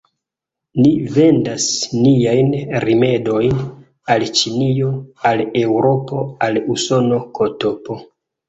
Ni vendas niajn rimedojn al Ĉinio, al Eŭropo, al Usono, ktp.